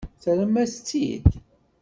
Terram-as-tt-id.